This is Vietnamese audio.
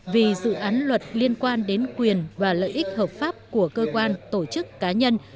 vì dự án luật liên quan đến quyền và lợi ích hợp pháp của cơ quan tổ chức cá nhân